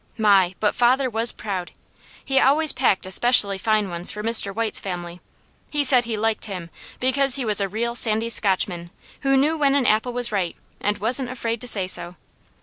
My! but father was proud! He always packed especially fine ones for Mr. White's family. He said he liked him, because he was a real sandy Scotchman, who knew when an apple was right, and wasn't afraid to say so.